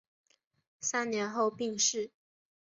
三年后病逝。